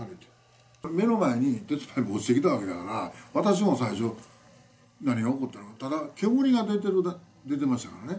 目の前に鉄パイプが落ちてきたわけだから、私も最初、何が起こったのか、ただ、煙が出てましたからね。